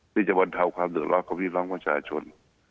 ที่จะบรรเทาความเหนือร้อนกับวิธีร้องประชาชน